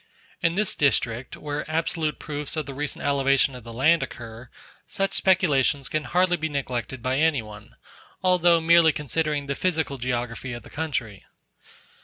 In this district, where absolute proofs of the recent elevation of the land occur, such speculations can hardly be neglected by any one, although merely considering the physical geography of the country.